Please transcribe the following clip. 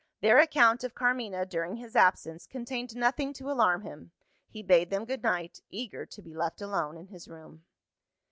Their account of Carmina, during his absence, contained nothing to alarm him. He bade them goodnight eager to be left alone in his room.